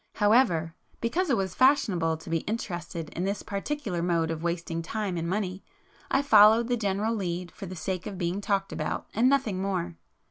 However, because it was 'fashionable' to be interested in this particular mode of wasting time and money, I followed the general 'lead,' for the sake of 'being talked about,' and nothing more.